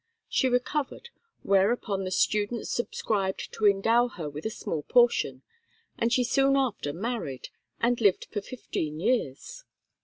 She recovered, whereupon the students subscribed to endow her with a small portion, and she soon after married and lived for fifteen years.